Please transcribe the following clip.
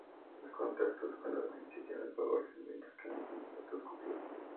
Los contactos con los venecianos favorecen los intercambios entre las dos culturas.